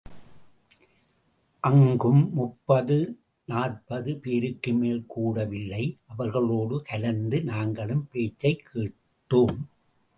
அங்கும் முப்பது நாற்பது பேருக்குமேல் கூடவில்லை அவர்களோடு கலந்து நாங்களும் பேச்சைக் கேட்டோம்.